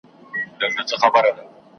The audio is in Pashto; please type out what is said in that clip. چاته مالونه جایدادونه لیکي .